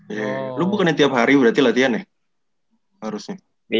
ya lu bukannya tiap hari berarti latihan ya harusnya